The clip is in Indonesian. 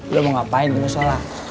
lo mau ngapain mushollah